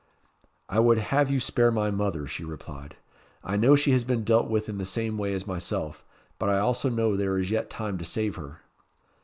"I would have you spare my mother," she replied. "I know she has been dealt with in the same way as myself; but I also know there is yet time to save her."